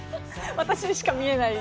私にしか見えない。